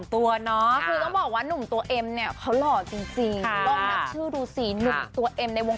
คือต้องบอกว่านุ่มตัวเอ็มเขาหล่อจริง